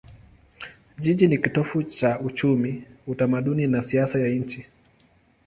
Jiji ni kitovu cha uchumi, utamaduni na siasa ya nchi.